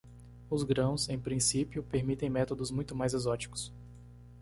Os grãos, em princípio, permitem métodos muito mais exóticos.